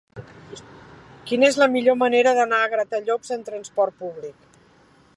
Quina és la millor manera d'anar a Gratallops amb trasport públic?